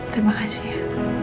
terima kasih ya